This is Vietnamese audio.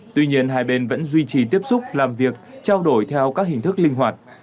tuy nhiên hai bên vẫn duy trì tiếp xúc làm việc trao đổi theo các hình thức linh hoạt